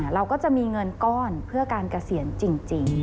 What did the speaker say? เราก็จะมีเงินก้อนเพื่อการเกษียณจริง